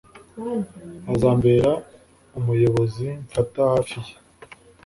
Azambera umuyobozi Mfata hafi ye